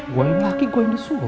gue yang laki gue yang disuruh